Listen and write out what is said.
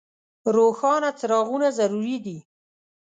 روښانه څراغونه ضروري دي.